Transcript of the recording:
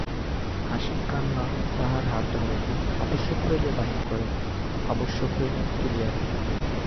হাসি কান্না তাহার হাতধরা, আবশ্যক হইলে বাহির করে, আবশ্যক হইলে তুলিয়া রাখে।